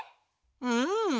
うん！